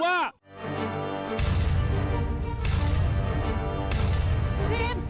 มามุนทัศน์